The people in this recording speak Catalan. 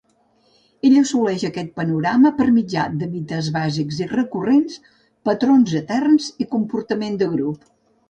Ell assoleix aquest panorama per mitjà de mites bàsics i recurrents, patrons eterns i comportament de grup.